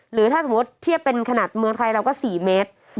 หรือถ้าสมมุติเทียบเป็นขนาดเมืองไทยเราก็๔เมตร